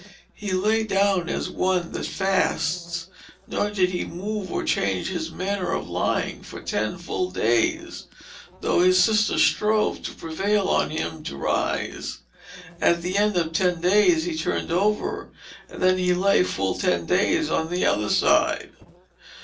He lay down as one that fasts; nor did he move or change his manner of lying for ten full days, though his sister strove to prevail on him to rise. At the end of ten days he turned over, and then he lay full ten days on the other side.